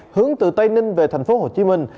hướng từ tây ninh về thành phố hồ chí minh